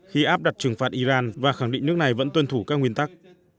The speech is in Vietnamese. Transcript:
khi áp đặt trừng phạt iran và khẳng định nước này vẫn tuân thủ các nguyên tắc